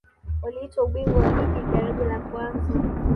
walitwaa ubingwa wa ligi daraja la kwanza